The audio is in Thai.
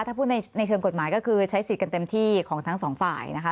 ถ้าพูดในเชิงกฎหมายก็คือใช้สิทธิ์กันเต็มที่ของทั้งสองฝ่ายนะคะ